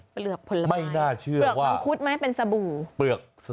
เปลือกผลไม้เปลือกมังคุตไหมเป็นสบู่ไม่น่าเชื่อว่า